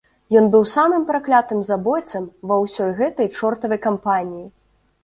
Ён быў самым праклятым забойцам ва ўсёй гэтай чортавай кампаніі!